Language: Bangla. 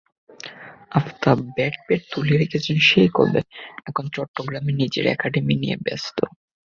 আফতাব ব্যাট-প্যাড তুলে রেখেছেন সেই কবে, এখন চট্টগ্রামে নিজের একাডেমি নিয়ে ব্যস্ত।